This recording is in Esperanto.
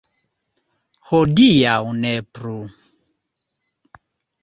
Hodiaŭ ne plu.